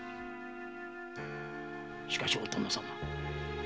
しかしお殿様。